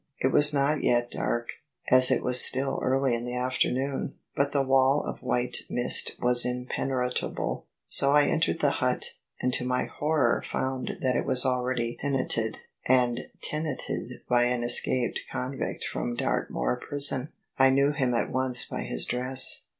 It was not yet dark, as it was still early in the afternoon, but the wall of white mist was impenetrable. So I entered the hut: and to my horror foimd that it was already tenanted — and tenanted by an escaped convict from Dartmoor prison. I knew him at once by his dress."